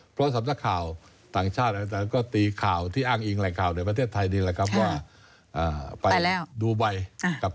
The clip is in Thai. เพราะสำนักข่าวต่างชาติก็อ้างอิงไลน์ข่าวในประเทศไทยนี้แหละครับ